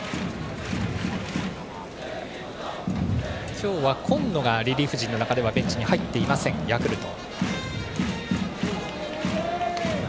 今日は今野がリリーフ陣の中ではベンチに入っていませんヤクルト。